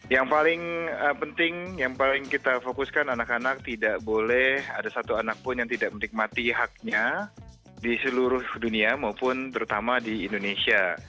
yang paling penting yang paling kita fokuskan anak anak tidak boleh ada satu anak pun yang tidak menikmati haknya di seluruh dunia maupun terutama di indonesia